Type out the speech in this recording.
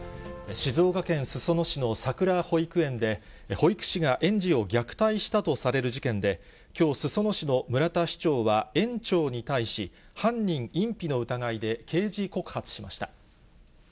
静岡県裾野市のさくら保育園で、保育士が園児を虐待したとされる事件で、きょう、裾野市の村田市長は、園長に対し、犯人隠避の疑いで刑事告発しました。